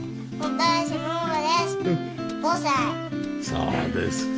そうですか。